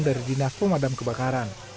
dari dinas pemadam kebakaran